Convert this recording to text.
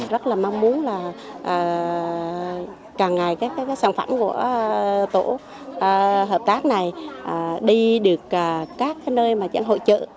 rất là mong muốn là càng ngày các sản phẩm của tổ hợp tác này đi được các nơi mà chẳng hội trợ